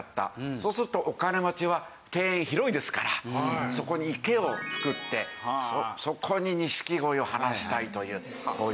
そうするとお金持ちは庭園広いですからそこに池を作ってそこに錦鯉を放したいというこういう事なんですね。